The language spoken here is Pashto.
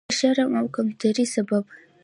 نه د شرم او کمترۍ سبب.